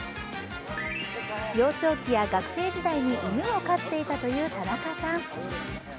幼少期や学生時代に犬を飼っていたという田中さん。